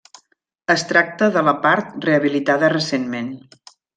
Es tracta de la part rehabilitada recentment.